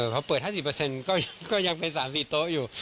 พอเปิด๕๐เปอร์เซ็นต์ก็ยังเป็น๓๔โต๊ะอยู่